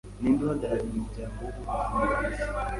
Ninde uhagarariye Umuryango w’ubuzima ku isi.